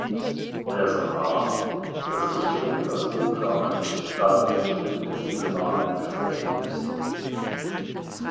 Person A: Das ist schon etwas unpraktisch, da wir bestimmte Unterlagen besprechen müssen.